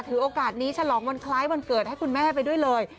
ถือโอกาสนี้ฉลองวันคล้ายวันเกิดให้คุณแม่ไปด้วยเลย